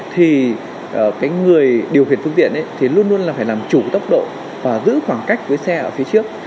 thì người điều khiển phương tiện thì luôn luôn là phải làm chủ tốc độ và giữ khoảng cách với xe ở phía trước